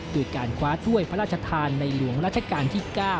โดยการคว้าถ้วยพระราชทานในหลวงราชการที่๙